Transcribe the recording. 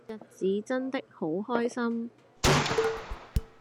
那日子真的好開心